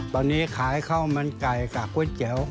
ตอนนี้ข้าวมันไก่กับก๋วยแจ๋ว